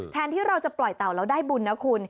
ที่เราจะปล่อยเต่าแล้วได้บุญนะคุณ